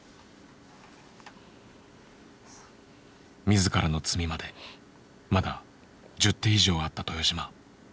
自らの詰みまでまだ１０手以上あった豊島。